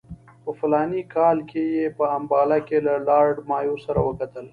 په فلاني کال کې یې په امباله کې له لارډ مایو سره وکتل.